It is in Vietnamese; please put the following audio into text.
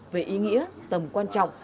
về ý nghĩa tầm quan trọng